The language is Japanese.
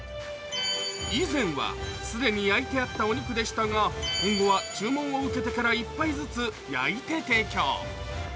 以前は既に焼いてあったお肉でしたが、今後は注文を受けてから１杯ずつ焼いて提供。